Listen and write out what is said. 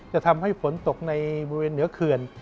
จะทำให้ฝนตกในบริเวณเหนือเขื่อน